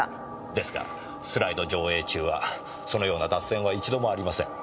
ですがスライド上映中はそのような脱線は一度もありません。